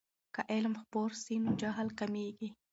که علم خپور سي نو جهل کمېږي.